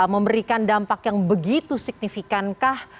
memberikan dampak yang begitu signifikankah